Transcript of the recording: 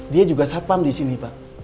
dia juga satpam disini pak